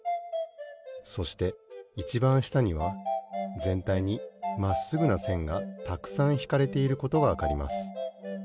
そしていちばんしたにはぜんたいにまっすぐなせんがたくさんひかれていることがわかります。